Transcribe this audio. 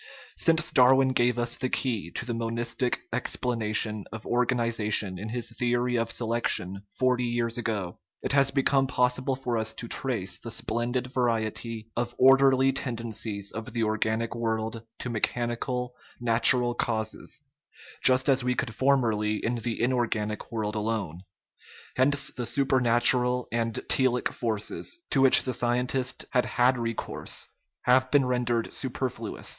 Since Darwin gave us the key to the monistic explanation of organization in his theory of selection forty years ago, it has become possible for us to trace the splendid variety of orderly tendencies of the organic world to mechanical, natural causes, just as we could formerly in the inorganic world alone. Hence the supernatural and telic forces, to which the scientist had had recourse, have been rendered super fluous.